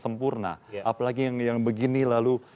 sempurna apalagi yang begini lalu